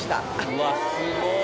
うわすごい！